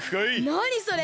なにそれ！